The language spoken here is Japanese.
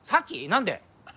何で？